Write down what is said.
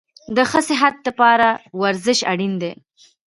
د ښه صحت دپاره ورزش اړین ده